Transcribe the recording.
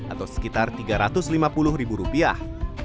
atau sekitar tiga ratus lima puluh ribu rupiah